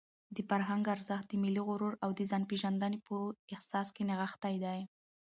د فرهنګ ارزښت د ملي غرور او د ځانپېژندنې په احساس کې نغښتی دی.